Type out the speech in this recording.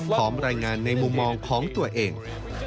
พร้อมรายงานในมุมมองของตัวเอง